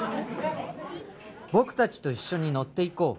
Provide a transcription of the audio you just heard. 「僕達と一緒に乗っていこう」